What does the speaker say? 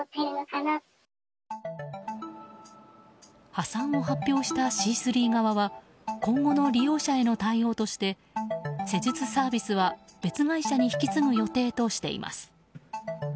破産を発表したシースリー側は今後の利用者への対応として施術サービスは、別会社に引き継ぐ予定としています。